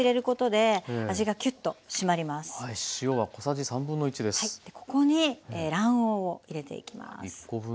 でここに卵黄を入れていきます。